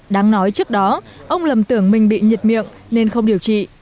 đáng nói trước đó ông lầm tưởng mình bị nhiệt miệng nên không điều trị